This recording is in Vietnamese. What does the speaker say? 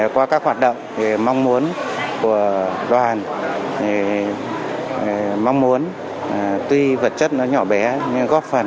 qua các hoạt động mong muốn của đoàn mong muốn tuy vật chất nó nhỏ bé nhưng góp phần